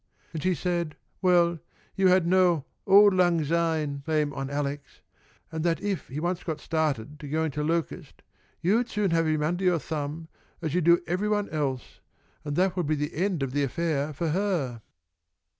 And she said, well, you had no 'auld lang syne' claim on Alex, and that if he once got started to going to Locust you'd soon have him under your thumb as you do every one else, and that would be the end of the affair for her."